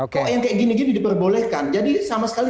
kayak gini gini diperbolehkan jadi sama sekali